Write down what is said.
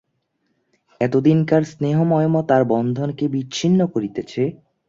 এতদিনকার স্নেহমমতার বন্ধন কে বিচ্ছিন্ন করিতেছে?